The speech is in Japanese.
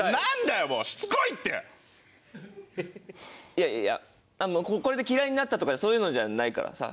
いやいやいやこれで嫌いになったとかそういうのじゃないからさ。